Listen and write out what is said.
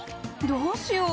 どうしよう。